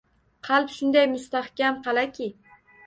Qalb shunday mustahkam qal’aki